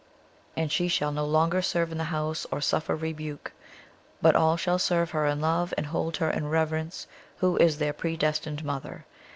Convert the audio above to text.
And she shall no longer serve in the house or suffer rebuke; but all shall serve her in love, and hold her in reverence, who is their predestined mother.